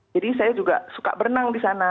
jadi saya juga suka berenang di sana